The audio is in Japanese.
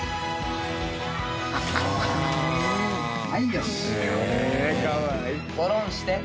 はいよし。